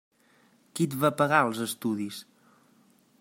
Qui et va pagar els estudis?